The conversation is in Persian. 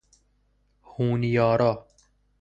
هونیارا